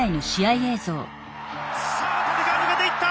さあ立川抜けていった！